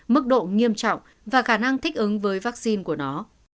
mức độ nghiêm trọng và khả năng thích ứng với vaccine của nó